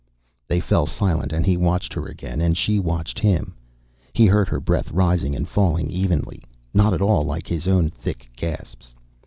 They fell silent and he watched her again, and she watched him. He heard her breath rising and falling evenly, not at all like his own thick gasps.